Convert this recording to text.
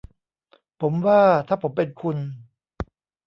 ผมว่า ถ้าผมเป็นคุณ